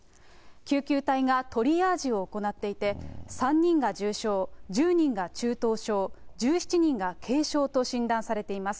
救急隊がトリアージを行っていて、３人が重症、１０人が中等症、１７人が軽症と診断されています。